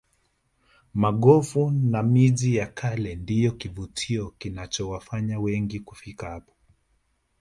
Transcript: magofu na miji ya kale ndiyo kivutio kinachowafanya wengi kufika hapo